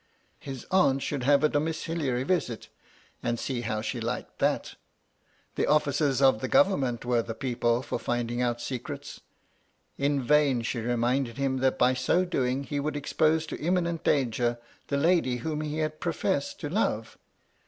His aunt should have a domiciliary visit, and see how she liked that The officers of the Government were the people for finding out secrets. In vain she reminded him that, by so doing, he would expose to imminent danger the lady whom he had professed to love.